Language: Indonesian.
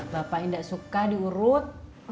bapaknya nggak suka diurut